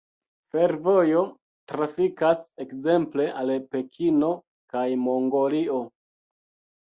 Fervojo trafikas ekzemple al Pekino kaj Mongolio.